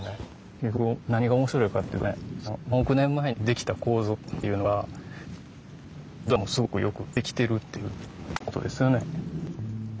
結局何が面白いかっていうとね何億年前に出来た構造っていうのが実はすごくよく出来てるっていう事ですよね。